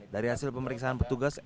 dari hasil pemeriksaan petugas